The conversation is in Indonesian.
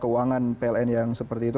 keuangan pln yang seperti itu